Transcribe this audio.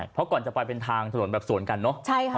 เพราะก่อนจะไปเป็นทางถนนแบบสวนกันเนอะใช่ค่ะ